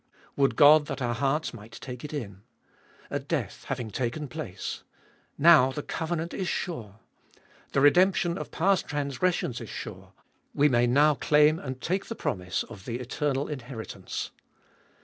Would God that our hearts might take it in. A death having taken place ! Now the covenant is sure. The redemption of past transgressions is sure ; we may now claim and take the promise of the eternal inheritance.